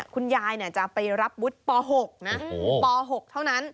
คุณยายจะไปรับวุฒิป๖นะป๖เท่านั้น